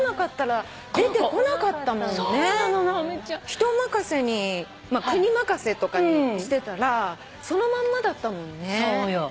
人任せに国任せとかにしてたらそのまんまだったもんね。